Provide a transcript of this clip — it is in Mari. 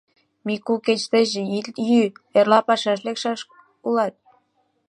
— Мику, кеч тачыже ит йӱ, эрла пашаш лекшаш улат.